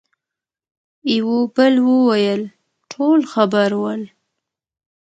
يوه بل وويل: ټول خبر ول.